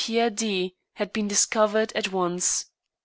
Pierre D had been discovered at once.